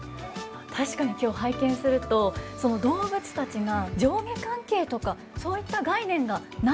確かに今日拝見するとその動物たちが上下関係とかそういった概念がない印象ですよね。